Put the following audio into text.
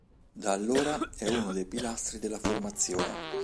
Da allora è uno dei pilastri della formazione.